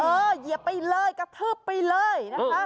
เหยียบไปเลยกระทืบไปเลยนะคะ